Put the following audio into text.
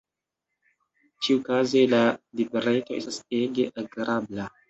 Ĉiukaze, la libreto estas ege agrabla.